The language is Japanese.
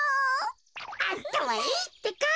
あたまいいってか。